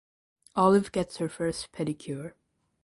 Olive gets her first pedicure.